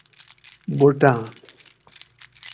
بوٹاۤن